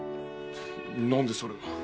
何でそれを？